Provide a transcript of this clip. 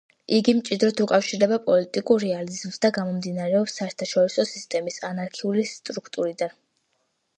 იგი მჭიდროდ უკავშირდება პოლიტიკურ რეალიზმს და გამომდინარეობს საერთაშორისო სისტემის ანარქიული სტრუქტურიდან.